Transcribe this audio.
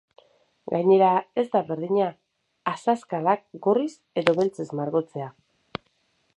Gainera, ez da berdina azazkalak gorriz edo beltzez margotzea.